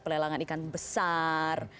pelelangan ikan besar